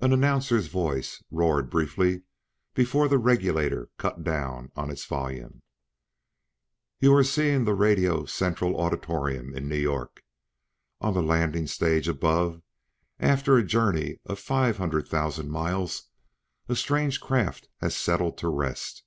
An announcer's voice roared briefly before the regulator cut down on its volume. "You are seeing the Radio central Auditorium in New York. On the landing stage above, after a journey of five hundred thousand miles, a strange craft has settled to rest.